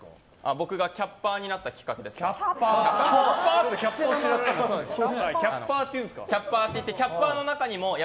僕がキャッパーになったきっかけですか？